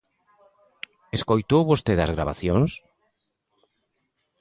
¿Escoitou vostede as gravacións?